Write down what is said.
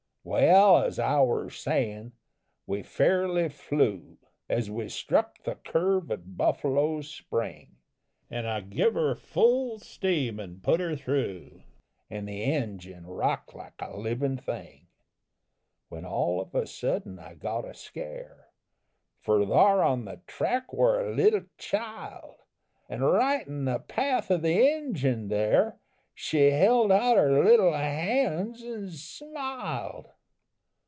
"Well, as I were saying, we fairly flew, As we struck the curve at Buffalo Spring, An' I give her full steam an' put her through, An' the engine rocked like a living thing; When all of a sudden I got a scare For thar on the track were a little child! An' right in the path of the engine there She held out her little hands and smiled!